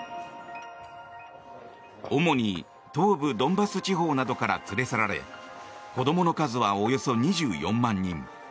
主に東部ドンバス地方などから連れ去られ子どもの数はおよそ２４万人。